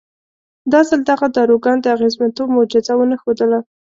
دا ځل دغه داروګان د اغېزمنتوب معجزه ونه ښودله.